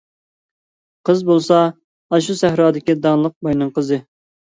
قىز بولسا ئاشۇ سەھرادىكى داڭلىق باينىڭ قىزى.